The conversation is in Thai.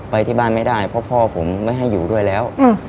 ไปที่บ้านไม่ได้เพราะพ่อผมไม่ให้อยู่ด้วยแล้ว